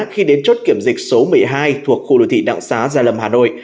khi đến chốt kiểm dịch số một mươi hai thuộc khu đô thị đặng xá gia lâm hà nội